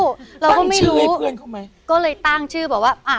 เราก็ไม่เชื่อเพื่อนเขาไหมก็เลยตั้งชื่อบอกว่าอ่า